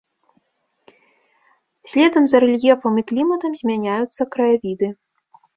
Следам за рэльефам і кліматам змяняюцца краявіды.